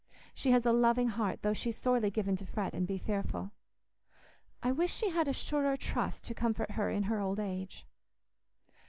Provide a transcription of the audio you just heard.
She has a loving heart, though she's sorely given to fret and be fearful. I wish she had a surer trust to comfort her in her old age."